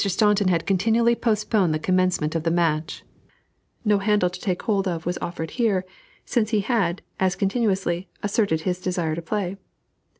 Staunton had continually postponed the commencement of the match: no handle to take hold of was offered here, since he had, as continually, asserted his desire to play.